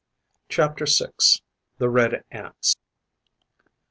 CHAPTER 6. THE RED ANTS.